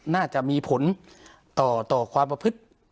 น่าจะมีผลต่อความประพฤติ